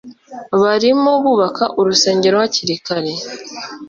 Barimo bubaka urusengero hakiri kare